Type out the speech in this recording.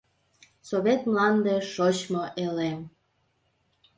Совет мланде, шочмо элем!